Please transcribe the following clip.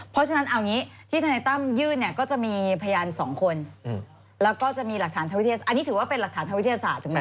เพราะฉะนั้นเอางี้ที่ธนายตั้มยื่นเนี่ยก็จะมีพยานสองคนแล้วก็จะมีหลักฐานทางวิทยาศอันนี้ถือว่าเป็นหลักฐานทางวิทยาศาสตร์ถูกไหม